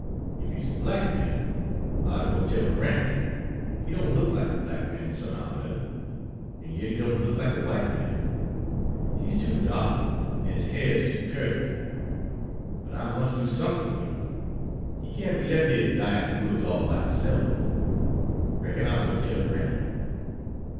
If he 's a black man, I oughter go tell granny. He don' look lack a black man somehow er nuther, an' yet he don' look lack a w'ite man; he's too dahk, an' his hair's too curly. But I mus' do somethin' wid 'im. He can't be lef' here ter die in de woods all by hisse'f. Reckon I'll go an' tell granny."